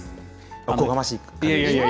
おこがましい感じでした。